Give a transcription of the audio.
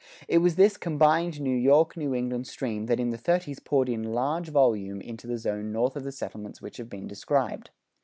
It was this combined New York New England stream that in the thirties poured in large volume into the zone north of the settlements which have been described.